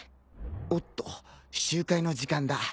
おっと集会の時間だ。